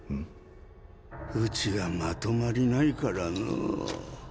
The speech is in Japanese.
うちはまとまりないからのう。